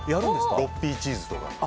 ６Ｐチーズとか。